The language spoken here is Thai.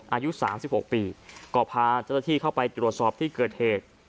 อายุ๓๖ปีก็พาเจ้าหน้าที่เข้าไปตรวจสอบที่เกิดเหตุ